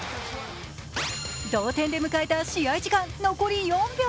同点で迎えた試合時間残り４秒。